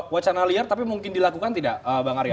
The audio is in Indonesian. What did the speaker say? wacana liar tapi mungkin dilakukan tidak bang arya